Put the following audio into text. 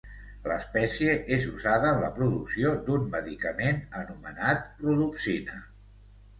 L'espècie és usada en la producció d'un medicament anomenat Rodopsina.